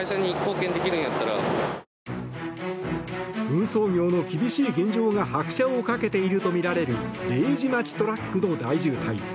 運送業の厳しい現状が拍車をかけているとみられる０時待ちトラックの大渋滞。